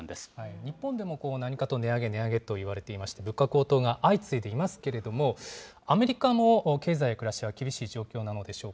日本でも何かと値上げ、値上げといわれてまして、物価高騰が相次いでいますけれども、アメリカも経済や暮らしは厳しい状況なのでしょうか。